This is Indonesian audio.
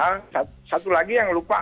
satu lagi yang lupa